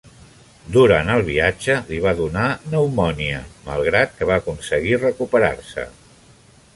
Durant el viatge li va donar pneumònia, malgrat que va aconseguir recuperar-se.